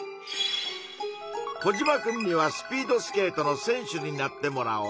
コジマくんには「スピードスケートの選手」になってもらおう。